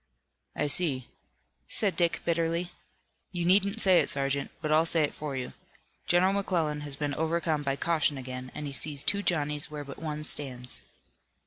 "I see," said Dick bitterly. "You needn't say it, sergeant, but I'll say it for you. General McClellan has been overcome by caution again, and he sees two Johnnies where but one stands."